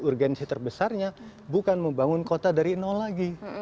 urgensi terbesarnya bukan membangun kota dari nol lagi